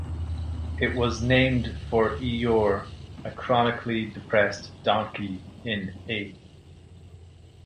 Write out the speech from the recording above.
It was named for Eeyore, a chronically depressed donkey in A.